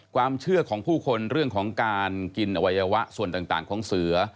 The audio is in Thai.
ความเชื่อของผู้คนเรื่องของการกินอวัยวะส่วนต่างของเสือ